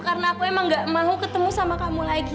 karena aku emang gak mau ketemu sama kamu lagi